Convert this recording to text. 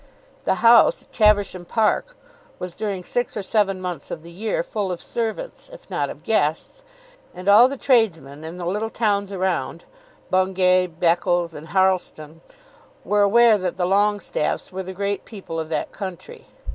The house at Caversham Park was during six or seven months, of the year full of servants, if not of guests, and all the tradesmen in the little towns around, Bungay, Beccles, and Harlestone, were aware that the Longestaffes were the great people of that country.